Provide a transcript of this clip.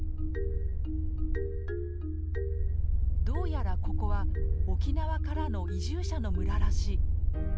どうやらここは沖縄からの移住者の村らしい。